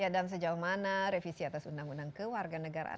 dan sejauh mana revisi atas undang undang ke warga negara